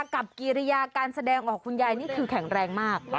กิริยาการแสดงของคุณยายนี่คือแข็งแรงมาก